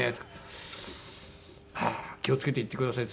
「ああ気を付けて行ってください。